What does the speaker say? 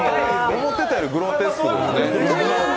思ってたよりグロテスクやね。